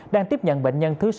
đang tiếp nhận bệnh nhân thứ sáu